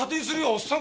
おっさん。